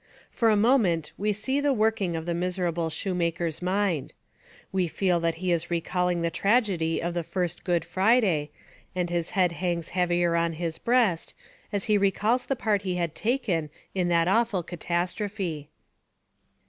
For a moment we see the working of the miserable shoemaker's mind. We feel that he is recalling the tragedy of the first Good Friday, and his head hangs heavier on his breast, as he recalls the part he had taken in that awful catastrophe.